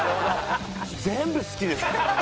全部好きです。